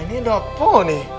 ini ada apa nih